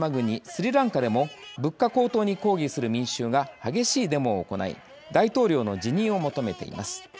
スリランカでも物価高騰に抗議する民衆が激しいデモを行い大統領の辞任を求めています。